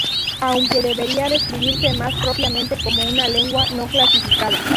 Aunque debería describirse más propiamente como una lengua no clasificada.